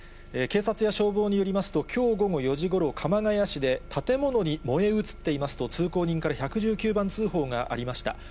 警察や消防によりますと、きょう午後４時ごろ、鎌ケ谷市で、建物に燃え移っていますと、通行人から１１９番通報がありました。